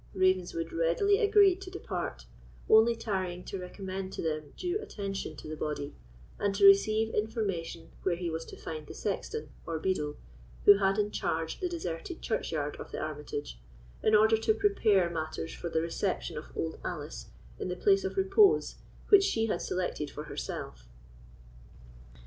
Ravenswood readily agreed to depart, only tarrying to recommend to them due attention to the body, and to receive information where he was to find the sexton, or beadle, who had in charge the deserted churchyard of the Armitage, in order to prepare matters for the reception of Old Alice in the place of repose which she had selected for herself.